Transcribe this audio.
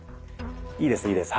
いいですいいです。